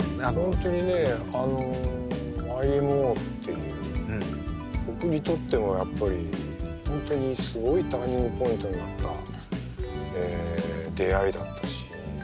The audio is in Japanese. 本当にねＹＭＯっていう僕にとってもやっぱり本当にすごいターニングポイントになった出会いだったし。